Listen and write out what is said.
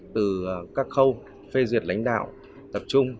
từ các khâu phê duyệt lãnh đạo tập trung